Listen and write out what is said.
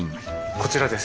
こちらです。